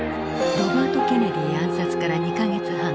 ロバート・ケネディ暗殺から２か月半。